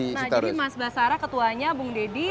nah jadi mas basara ketuanya bung deddy